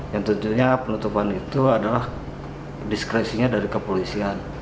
yang tentunya penutupan itu adalah diskresinya dari kepolisian